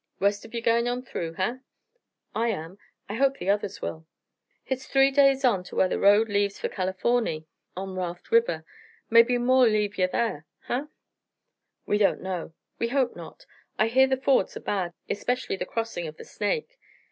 "Rest of ye goin' on through, huh?" "I am. I hope the others will." "Hit's three days on to whar the road leaves for Californy on the Raft River. Mebbe more'll leave ye thar, huh?" "We don't know. We hope not. I hear the fords are bad, especially the crossing of the Snake.